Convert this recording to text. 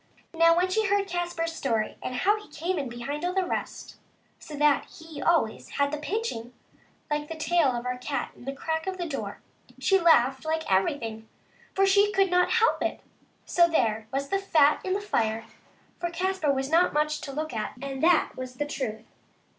Now, when she heard Caspar's story, and how he came in behind all the rest, so that he always had the pinching, like the tail of our cat in the crack of the door, she laughed like everything, for she could not help it. So there was the fat in the fire, for Caspar was not much to look at, and that was the truth.